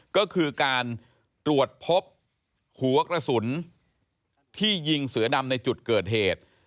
ก็คือการตรวจพบหัวกระสุนที่ยิงเสือดำในจุดเกิดเหตุ